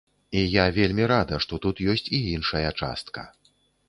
І я вельмі рада, што тут ёсць і іншая частка.